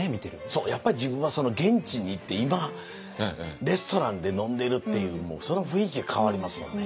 そうやっぱり自分はその現地に行って今レストランで飲んでるっていうその雰囲気で変わりますもんね。